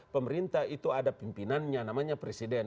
pemerintah itu ada pimpinannya namanya presiden